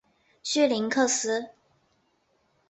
绪林克斯。